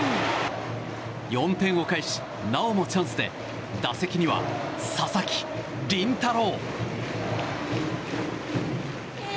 ４点を返し、なおもチャンスで打席には佐々木麟太郎。